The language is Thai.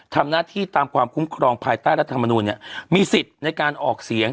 ทำหน้าที่ตามความคุ้มครองภายใต้รัฐมนูลเนี่ยมีสิทธิ์ในการออกเสียง